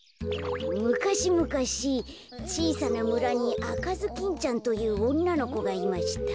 むかしむかしちいさなむらにあかずきんちゃんというおんなのこがいました。